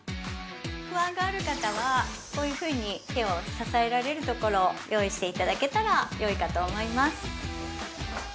不安がある方はこういうふうに手を支えられるところを用意して頂けたら良いかと思います。